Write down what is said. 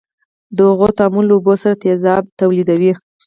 د هغو تعامل له اوبو سره تیزاب تولیدوي.